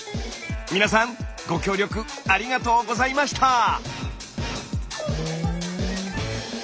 皆さんご協力ありがとうございました！